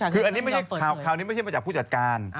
คืออันนี้ไม่ใช่ข่าวนี้ไม่ใช่มาจากผู้จัดการ